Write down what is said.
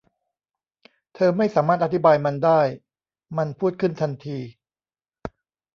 เธอไม่สามารถอธิบายมันได้ มันพูดขึ้นทันที